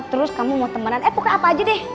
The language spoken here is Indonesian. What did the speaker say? terus kamu mau temenan eh bukan apa aja deh